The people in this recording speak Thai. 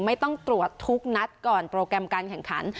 ไม่ต้องตรวจทุกนัดก่อนโปรแกรมการแข่งขัน